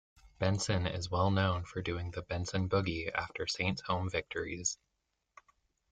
Benson is well known for doing the "Benson Boogie" after Saints home victories.